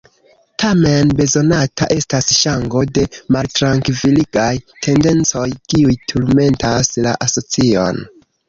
Tamen bezonata estas ŝango de maltrankviligaj tendencoj kiuj turmentas la asocion.